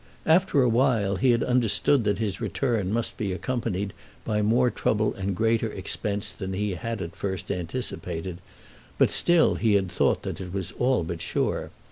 After a while he had understood that his return must be accompanied by more trouble and greater expense than he had at first anticipated; but still he had thought that it was all but sure.